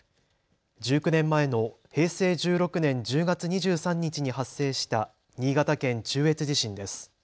１９年前の平成１６年１０月２３日に発生した新潟県中越地震です。